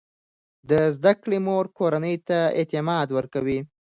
د زده کړې مور کورنۍ ته اعتماد ورکوي.